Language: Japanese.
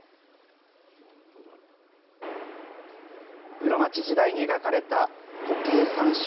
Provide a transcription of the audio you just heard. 室町時代に描かれた虎渓三笑